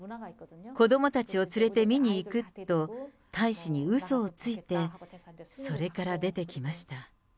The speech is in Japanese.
子どもたちを連れて見に行くと大使にうそをついて、それから出てきました。